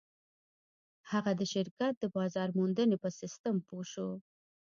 هغه د شرکت د بازار موندنې په سيسټم پوه شو.